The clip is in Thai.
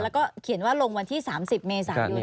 แล้วก็เขียนว่าลงวันที่๓๐เมษายน